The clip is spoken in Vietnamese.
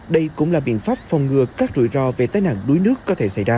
đây cũng là biện pháp phòng ngừa các rủi ro về tai nạn đuối nước có thể xảy ra